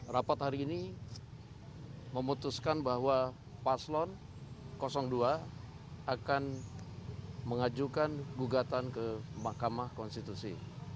rapat hari ini memutuskan bahwa paslon dua akan mengajukan bugatan kemahkamah konstitusi